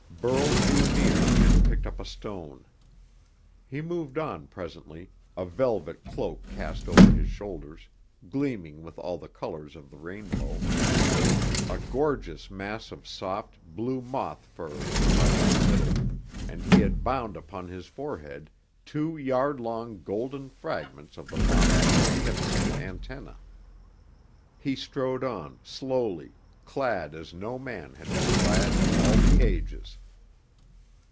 Burl drew near and picked up a stone. He moved on presently, a velvet cloak cast over his shoulders, gleaming with all the colors of the rainbow. A gorgeous mass of soft, blue moth fur was about his middle, and he had bound upon his forehead two yard long, golden fragments of the moth's magnificent antennae. He strode on, slowly, clad as no man had been clad in all the ages.